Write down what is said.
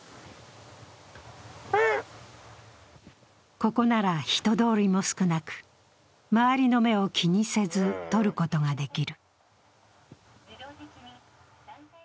ここなら人通りも少なく周りの目を気にせず撮ることができる。